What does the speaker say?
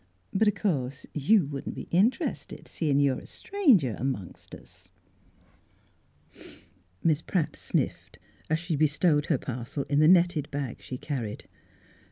But o' course you wouldn't be interested, seein' you're a stranger amongst us." Miss Pratt sniifed, as she bestowed her parcel in the netted bag she carried.